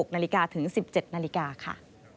๖นาฬิกาถึง๑๗นาฬิกาค่ะ